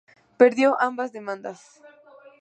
Perdió ambas demandas.